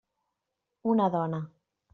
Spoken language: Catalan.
Una dona.